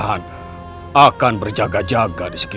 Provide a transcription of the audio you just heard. rai sudah berhasil menjalurkan hawa murni